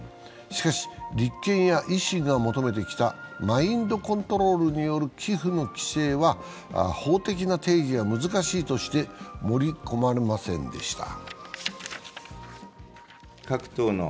しかし、立憲や維新が求めてきたマインドコントロールによる寄付の規制は法的な定義が難しいとして、盛り込まれませんでした。